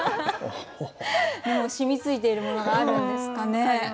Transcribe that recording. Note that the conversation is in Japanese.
しみついているものがあるんですかね。